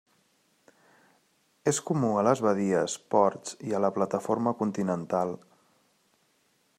És comú a les badies, ports i a la plataforma continental.